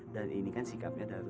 dan ini kan sikapnya darurat